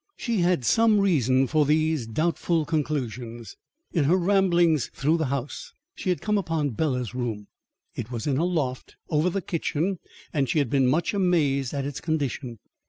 She had some reason for these doubtful conclusions. In her ramblings through the house she had come upon Bela's room. It was in a loft over the kitchen and she had been much amazed at its condition.